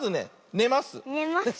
ねます。